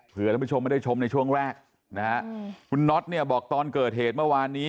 เพื่อท่านผู้ชมไม่ได้ชมในช่วงแรกนะฮะคุณน็อตเนี่ยบอกตอนเกิดเหตุเมื่อวานนี้